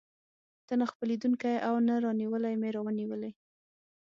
ته نه خپلېدونکی او نه رانیولى مې راونیولې.